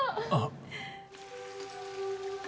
あっ。